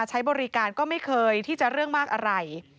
ใช้บริการก็ไม่เคยที่จะเรื่องมากอะไร